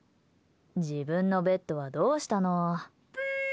自分のベッドはどうしたの？